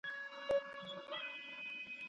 «منم چې وطن وران شو، مګر وران نه شو دا غر